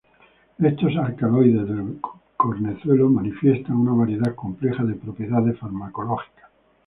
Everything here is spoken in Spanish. Estos alcaloides del cornezuelo manifiestan una variedad compleja de propiedades farmacológicas.